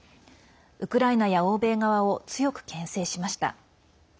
ウクライナや欧米側を強くけん制しました。